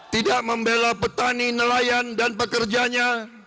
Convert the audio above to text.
tidak membela petani nelayan dan pekerjanya